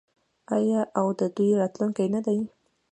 آیا او د دوی راتلونکی نه دی؟